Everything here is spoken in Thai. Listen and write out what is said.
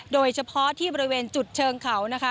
โดยเฉพาะที่บริเวณจุดเชิงเขานะคะ